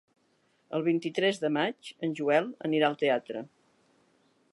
El vint-i-tres de maig en Joel anirà al teatre.